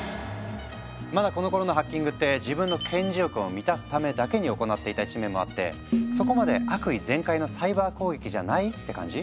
まだこのころのハッキングって自分の顕示欲を満たすためだけに行っていた一面もあってそこまで悪意全開のサイバー攻撃じゃないって感じ？